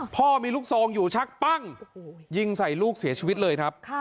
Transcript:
พ่อมีลูกซองอยู่ชักปั้งยิงใส่ลูกเสียชีวิตเลยครับ